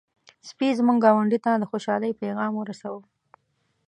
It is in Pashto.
سپي زموږ ګاونډی ته د خوشحالۍ پيغام ورساوه.